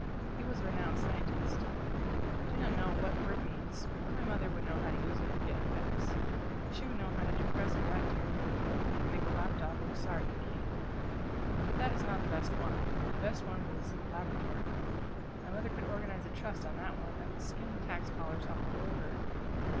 He was a renowned scientist. I do not know what the word means, but my mother would know how to use it and get effects. She would know how to depress a rat terrier with it and make a lap dog look sorry he came. But that is not the best one; the best one was Laboratory. My mother could organize a Trust on that one that would skin the tax collars off the whole herd.